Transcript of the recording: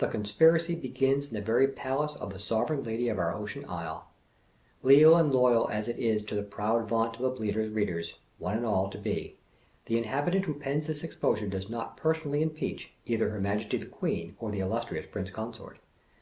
The conspiracy begins in the very Palace of the Sovereign Lady of our Ocean Isle. Leal and loyal as it is the proud vaunt of the Bleater' s readers, one and all, to be, the in habitant who pens this exposure does not personally im peach, either her Majesty the Queen, or the illustrious 300 Prince Consort.